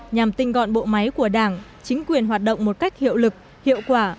nhằm tinh gọn bộ máy của đảng chính quyền hoạt động một cách hiệu lực hiệu quả